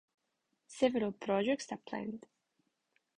Several projects are planned.